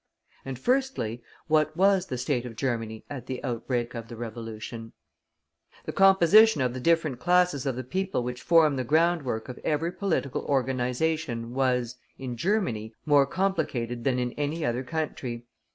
And firstly, what was the state of Germany at the outbreak of the Revolution? The composition of the different classes of the people which form the groundwork of every political organization was, in Germany, more complicated than in any other country.